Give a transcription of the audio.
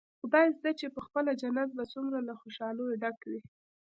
خدايزده چې پخپله جنت به څومره له خوشاليو ډک وي.